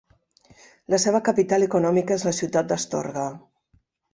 La seva capital econòmica és la ciutat d'Astorga.